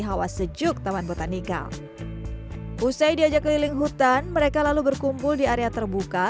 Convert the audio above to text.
hawa sejuk taman botanical usai diajak keliling hutan mereka lalu berkumpul di area terbuka